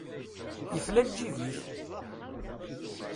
Yefla lǧib-ik!